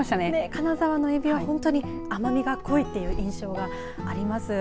金沢のエビは甘みが濃いという印象があります。